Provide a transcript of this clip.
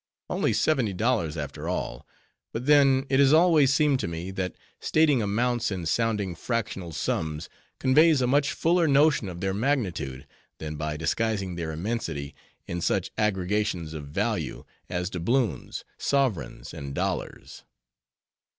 _ Only seventy dollars, after all; but then, it has always seemed to me, that stating amounts in sounding fractional sums, conveys a much fuller notion of their magnitude, than by disguising their immensity in such aggregations of value, as doubloons, sovereigns, and dollars.